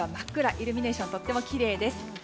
イルミネーションがとてもきれいです。